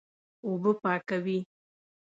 اوبه پاکوي.